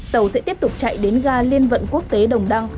tàu sẽ tiếp tục chạy đến ga liên vận quốc tế đồng đăng